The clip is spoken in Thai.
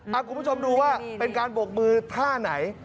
คุณผู้ชมดูว่าเป็นการบกมือท่าไหน